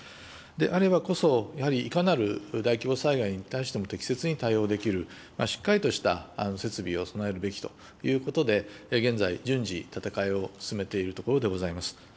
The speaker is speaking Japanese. であればこそ、やはりいかなる大規模災害に対しても適切に対応できる、しっかりとした設備を備えるべきということで、現在、順次建て替えを進めているところでございます。